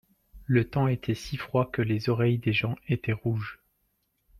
Le temps était si froid que les oreilles des gens étaient rouges.